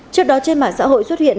trước đó trên mạng xã hội xuất hiện